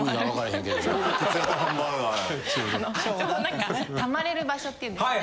ちょうど何か溜まれる場所っていうんですかね？